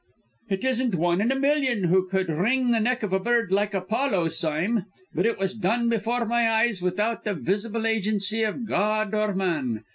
"It isn't one in a million who could wring the neck of a bird like Apollo, Sime; but it was done before my eyes without the visible agency of God or man!